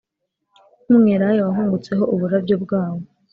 nk’umwelayo wahungutseho uburabyo bwawo